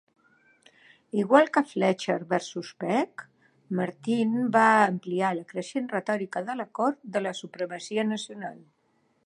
Igual que "Fletcher versus Peck", Martin va ampliar la creixent retòrica de la Cort de la supremacia nacional.